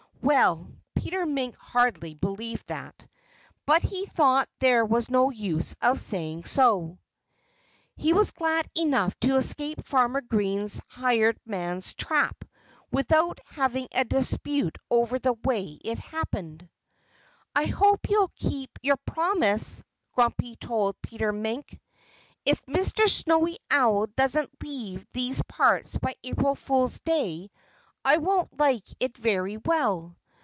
Well, Peter Mink hardly believed that. But he thought there was no use of saying so. He was glad enough to escape Farmer Green's hired man's trap without having a dispute over the way it happened. "I hope you'll keep your promise," Grumpy told Peter Mink. "If Mr. Snowy Owl doesn't leave these parts by April Fool's Day I won't like it very well.